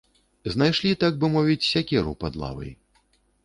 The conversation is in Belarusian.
Знайшлі, так бы мовіць, сякеру пад лавай.